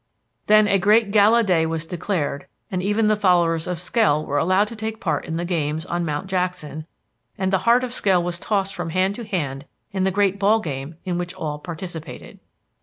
Then a great gala day was declared and even the followers of Skell were allowed to take part in the games on Mount Jackson, and the heart of Skell was tossed from hand to hand in the great ball game in which all participated.